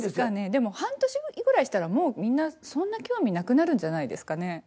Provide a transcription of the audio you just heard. でも半年ぐらいしたらもうみんなそんな興味なくなるんじゃないですかね。